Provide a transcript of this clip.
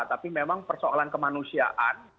tapi memang persoalan kemanusiaan